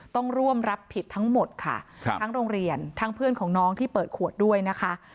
ต้องร่วมรับผิดทั้งหมดค่ะทั้งโรงเรียนทั้งเพื่อนของน้องที่เปิดขวดด้วยนะคะ